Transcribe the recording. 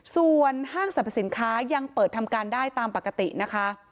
ส่วนห้างสรรพสินค้ายังเปิดทำการได้ตามปกตินะคะ